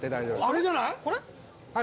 あれじゃない？